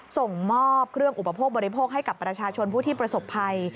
ส่งมอบเครื่องอุปโภคบริโภคให้กับประชาชนผู้ที่ประสบภัย